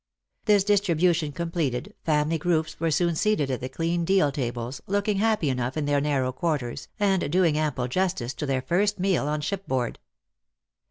This distribution completed, family groups were soon seated at the clean deal tables, looking happy enough in their narrow quarters, and doing ample justice to their first meal on ship board.